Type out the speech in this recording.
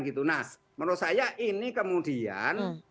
gitu nah menurut saya ini kemudian